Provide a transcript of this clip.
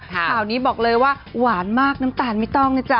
ข่าวนี้บอกเลยว่าหวานมากน้ำตาลไม่ต้องนะจ๊